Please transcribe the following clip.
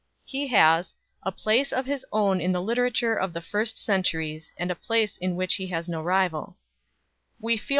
He has " a place of his own in the literature of the first centuries, and a place in which he has no rival 4 / We 1 J.